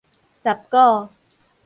十股